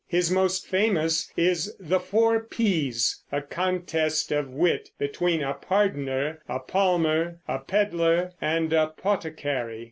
His most famous is "The Four P's," a contest of wit between a "Pardoner, a Palmer, a Pedlar and a Poticary."